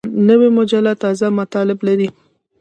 نوې مجله تازه مطالب لري